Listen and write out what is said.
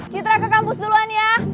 citra ke kampus duluan ya